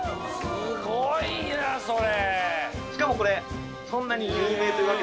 すごいなそれ！